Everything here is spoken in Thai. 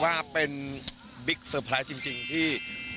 น้อยมากพี่จริงพี่